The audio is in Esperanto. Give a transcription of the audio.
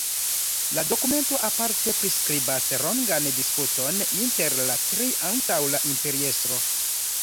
La dokumento aparte priskribas longan disputon inter la tri antaŭ la imperiestro.